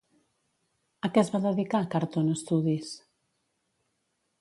A què es va dedicar Cartoon Studis?